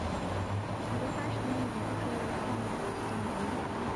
许多巴士的命名都是为了纪念名人们。